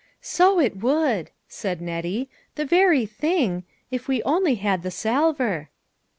" So it would," said Nettie, " the very thing, if we only had the salver."